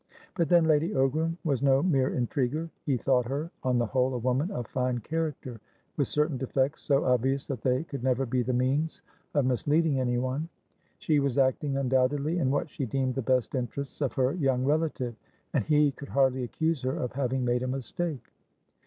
But then, Lady Ogram was no mere intriguer; he thought her, on the whole, a woman of fine character, with certain defects so obvious that they could never be the means of misleading anyone. She was acting, undoubtedly, in what she deemed the best interests of her young relativeand he could hardly accuse her of having made a mistake.